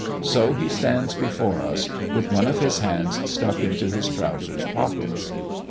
So he stands before us, with one of his hands stuck into his trousers' pockets.